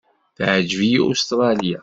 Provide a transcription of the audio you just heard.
Teɛǧeb-iyi Ustṛalya.